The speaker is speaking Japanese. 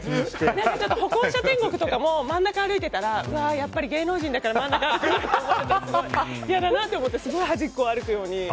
歩行者天国とかも真ん中を歩いてたらうわ、やっぱり芸能人だから真ん中って思われるの嫌だなって思ったから端っこを歩くように。